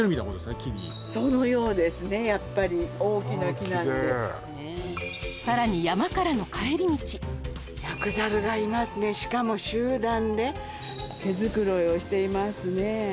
木にそのようですねやっぱり大きな木なんでさらにヤクザルがいますねしかも集団で毛づくろいをしていますね